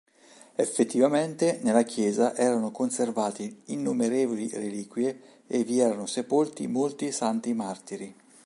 Effettivamente nella chiesa erano conservati innumerevoli reliquie e vi erano sepolti molti santi martiri.